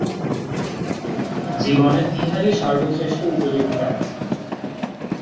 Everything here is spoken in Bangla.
জীবনে ইহারই সর্বশ্রেষ্ঠ উপযোগিতা আছে।